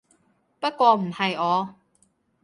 不過唔係我